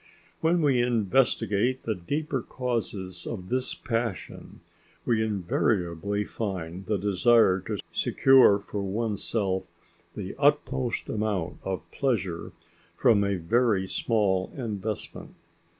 When we investigate the deeper causes of this passion we invariably find the desire to secure for oneself the utmost amount of pleasure from a very small investment.